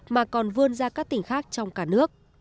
mà còn vươn ra các tỉnh khác trong cả nước